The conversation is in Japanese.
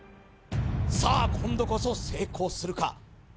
さあ今度こそ成功するか？